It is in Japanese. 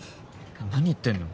何言ってんの？